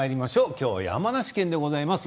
今日は山梨県でございます。